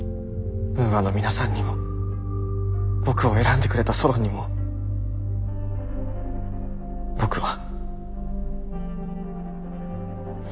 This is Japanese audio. ウーアの皆さんにも僕を選んでくれたソロンにも僕は。